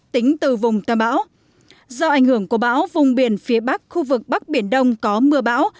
tính từ vùng tâm bão do ảnh hưởng của bão vùng biển phía bắc khu vực bắc biển đông có mưa bão